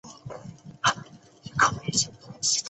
黄色妹妹头。